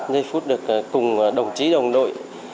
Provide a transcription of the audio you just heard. giây phút được cùng đồng chí đồng đội